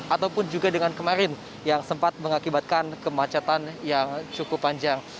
ataupun juga dengan kemarin yang sempat mengakibatkan kemacetan yang cukup panjang